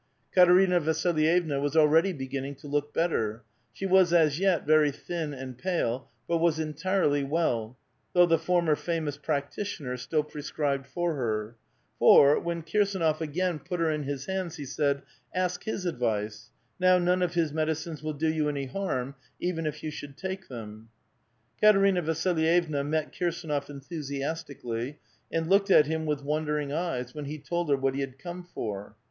Katerina Vasilyevna was already beginning to look better ; she was as yet very thin and pale, but was entirely well, though the former famous practitioner still prescribed for her ; for, when Kirs^iof again put her in his hands, he said, '^ Ask his advice ; now none of his medicines will do you any harm, even if you should take them." Katerina Vasilyevna met Kirsdnof enthusiastically, and looked at him with wondering eyes, when he told her what he had come for.